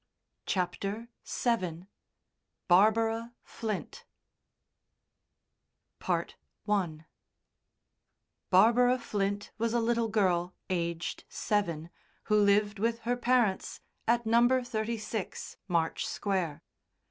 CHAPTER VII BARBARA FLINT I Barbara Flint was a little girl, aged seven, who lived with her parents at No. 36 March Square.